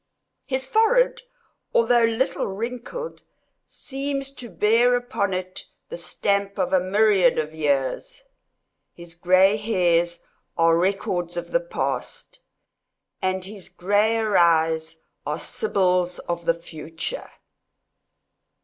His forehead, although little wrinkled, seems to bear upon it the stamp of a myriad of years. His gray hairs are records of the past, and his grayer eyes are sibyls of the future.